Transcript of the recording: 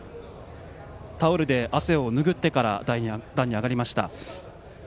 タオルで汗をぬぐってから壇に上がりました。